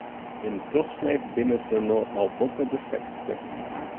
Yn trochsneed binne se no al boppe de sechstich.